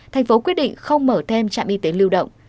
thành phố quyết định không mở thêm trạm y tế lưu động